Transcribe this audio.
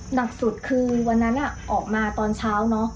หนักสุดคือวันนั้นออกมาตอนเช้าเนอะ